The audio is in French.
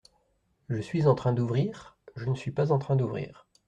Je suis en train d’ouvrir, je ne suis pas en train d’ouvrir.